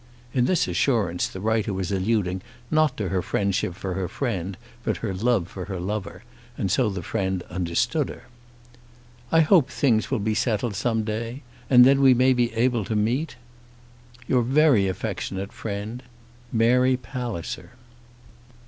[In this assurance the writer was alluding not to her friendship for her friend but her love for her lover, and so the friend understood her.] I hope things will be settled some day, and then we may be able to meet. Your very affectionate Friend, MARY PALLISER.